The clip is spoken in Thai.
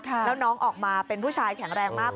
แล้วน้องออกมาเป็นผู้ชายแข็งแรงมาก